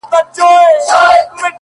• زما په مرگ به خلک ولي خوښېدلای,